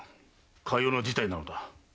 かような事態だ。